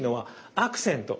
アクセント。